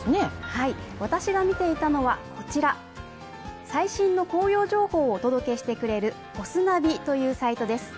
はい、私が見ていたのは、こちら、最新の紅葉情報をお届けしてくれる「ぽすナビ」というサイトです。